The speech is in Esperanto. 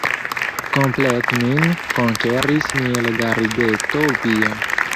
Komplete min konkeris milda rideto via.